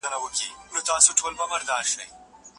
ټولي نړۍ ته کرونا ببر یې